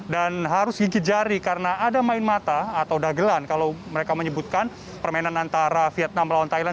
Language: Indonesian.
dan harus gigit jari karena ada main mata atau dagelan kalau mereka menyebutkan permainan antara vietnam melawan thailand